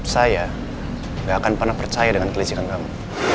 saya gak akan pernah percaya dengan kelistrikan kamu